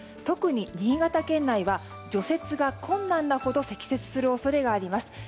特に新潟県内は除雪が困難なほど積雪する恐れがあります。